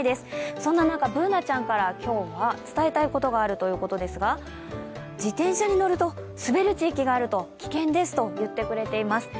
そんな中、Ｂｏｏｎａちゃんから今日は伝えたいことがあるということですが、自転車に乗ると滑る地域がある、危険ですと言ってくれています。